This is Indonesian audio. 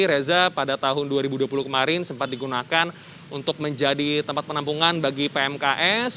reza pada tahun dua ribu dua puluh kemarin sempat digunakan untuk menjadi tempat penampungan bagi pmks